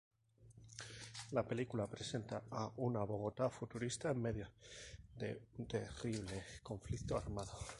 La película presenta a una Bogotá futurista en medio de un terrible conflicto armado.